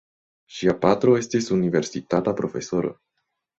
Ŝia patro estis universitata profesoro.